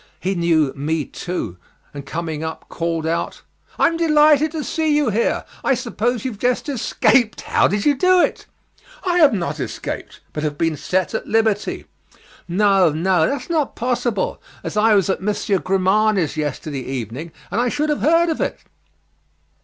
He knew me, too, and coming up called out, "I am delighted to see you here. I suppose you have just escaped. How did you do it?" "I have not escaped, but have been set at liberty." "No, no, that's not possible, as I was at M. Grimani's yesterday evening, and I should have heard of it."